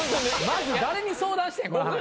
まず誰に相談してんこの話。